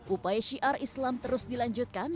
upaya syiar islam terus dilanjutkan